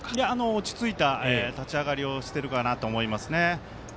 落ち着いた立ち上がりをしてるかなと思いますね。